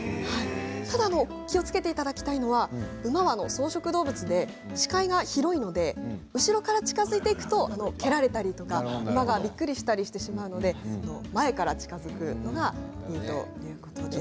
ただ気をつけていただきたいのは馬は草食動物で視界が広いので後ろから近づいていくと蹴られたりとか馬がびっくりしたりしてしまうので前から近づくのがいいということです。